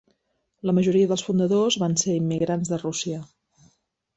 La majoria dels fundadors van ser immigrants de Rússia.